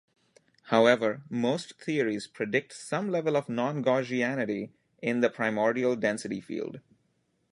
However, most theories predict some level of non-Gaussianity in the primordial density field.